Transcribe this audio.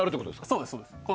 そうです。